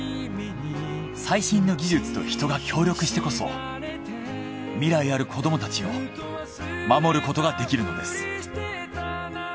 最新の技術と人が協力してこそ未来ある子どもたちを守ることができるのです。